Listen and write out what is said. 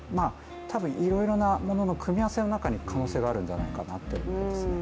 多分、いろいろなものの組み合わせの中に可能性があると思います。